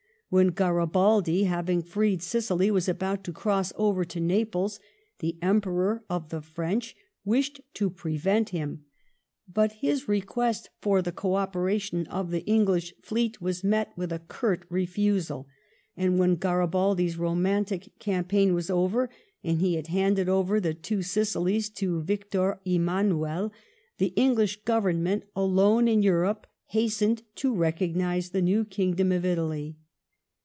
When OaiihaMi, hawing freed Sicily, waa ahonl to ereaa ovear to Naplea, the Emperor of the French wiahed to prevent Imn ; tet his reqneat for the eo operation of the English Oeet was met with a onrt xefusid. And when Osribridi^a romantia campaign was over, and be had handed over Aa two* Sicilies to Victor Emmanuel, the English OrDvemment, alone in Europe, haetenad to reoagnisa the new king* dom of Italy.